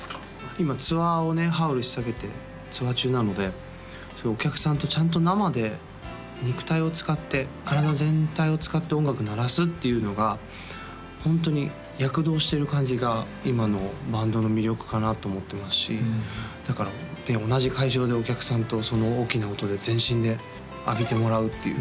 今ツアーをね「ＨＯＷＬ」ひっさげてツアー中なのでお客さんとちゃんと生で肉体を使って体全体を使って音楽鳴らすっていうのがホントに躍動してる感じが今のバンドの魅力かなと思ってますしだから同じ会場でお客さんと大きな音で全身で浴びてもらうっていうそれを共有するっていうのが